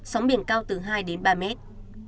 sống biển cao từ hai đến ba mét